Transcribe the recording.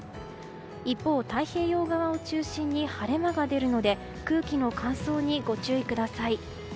一方、太平洋側を中心に晴れ間が出るので空気の乾燥にご注意ください。